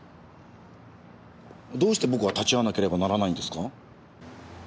どうして僕が立ち会わなければならないんですか？